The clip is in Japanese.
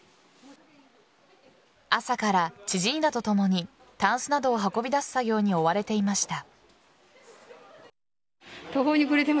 朝から知人らとともにタンスなどを運び出す作業に追われていました。